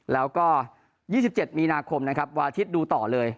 แล้วก็๒๗มีนาคมนะครับวันอาทิตย์ดูต่อเลย